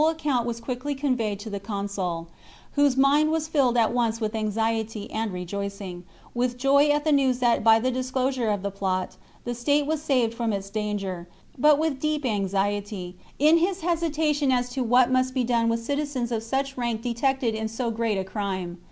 account was quickly conveyed to the consul, whose mind was filled at once with anxiety and rejoicing, with joy at the news that by the disclosure of the plot, the state was saved from its danger ; but with deep anxiety, in his hesitation as to what must be done with citizens of such rank detected in so great a crime.